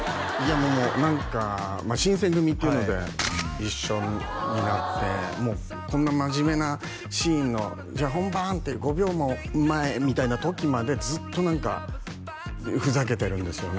もう何か「新選組！」っていうので一緒になってこんな真面目なシーンの「じゃあ本番」って「５秒前」みたいな時までずっと何かふざけてるんですよね